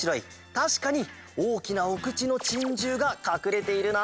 たしかにおおきなおくちのチンジューがかくれているな！